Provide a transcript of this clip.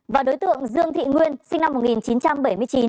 và đối tượng dương thị nguyên sinh năm một nghìn chín trăm bảy mươi chín